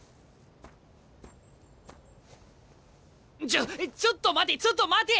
ちょちょっと待てちょっと待て！